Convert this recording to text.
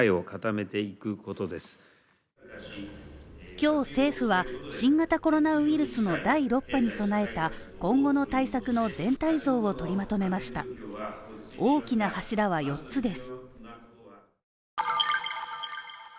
今日政府は新型コロナウイルスの第６波に備えた今後の対策の全体像を取りまとめました大きな柱は四つです